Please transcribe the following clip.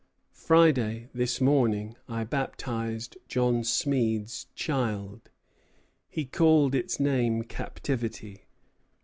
Friday: this morning I baptized John Smead's child. He called its name Captivity."